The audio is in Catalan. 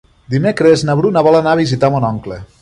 Dimecres na Bruna vol anar a visitar mon oncle.